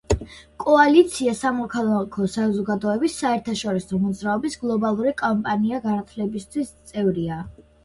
კოალიცია სამოქალაქო საზოგადოების საერთაშორისო მოძრაობის გლობალური კამპანია განათლებისთვის წევრია.